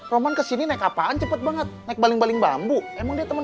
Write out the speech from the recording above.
roman kesini naik apaan cepet banget naik baling baling bambu emangnya temen